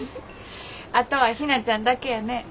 あとはひなちゃんだけやね。